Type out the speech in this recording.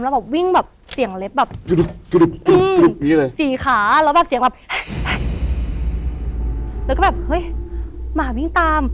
แล้วแบบวิ่งแบบเสียงเล็บแบบสี่ขาแล้วแบบเสียงแบบแล้วก็แบบเฮ้ยหมาวิ่งตาม